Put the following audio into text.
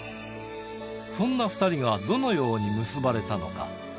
そんな２人がどのように結ばれたのか。